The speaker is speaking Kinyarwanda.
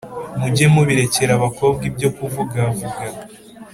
Muge mubirekera abakobwa ibyo kuvugavuga